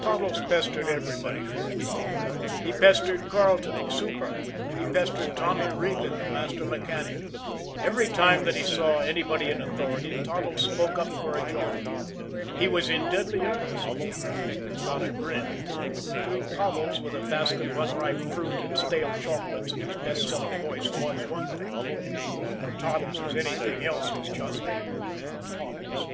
Toddles pestered everybody for a job. He pestered Carleton, the super. He pestered Tommy Regan, the master mechanic. Every time that he saw anybody in authority Toddles spoke up for a job, he was in deadly earnest and got a grin. Toddles with a basket of unripe fruit and stale chocolates and his "best seller" voice was one thing; but Toddles as anything else was just Toddles.